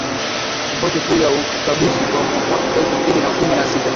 Ripoti kuu ya ukaguzi ya mwaka elfu mbili na kumi na sita